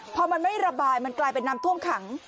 พอมันไม่ระบายมันกลายเป็นน้ำท่วมขัง